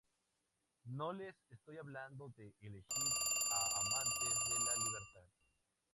No, les estoy hablando de elegir a amantes de la libertad.